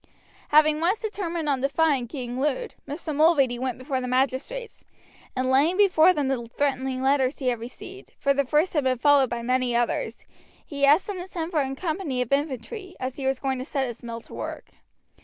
Having once determined upon defying King Lud, Mr. Mulready went before the magistrates, and laying before them the threatening letters he had received, for the first had been followed by many others, he asked them to send for a company of infantry, as he was going to set his mill to work.